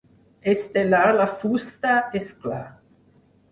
Estellar la fusta, és clar.